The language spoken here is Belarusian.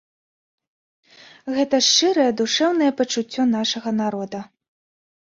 Гэта шчырае, душэўнае пачуццё нашага народа.